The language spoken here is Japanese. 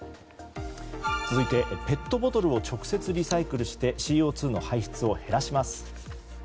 続いて、ペットボトルを直接リサイクルしてＣＯ２の排出を減らします。